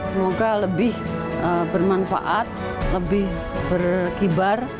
semoga lebih bermanfaat lebih berkibar